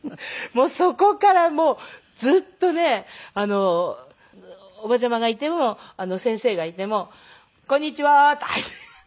そこからもうずっとねおばちゃまがいても先生がいても「こんにちは」って入って。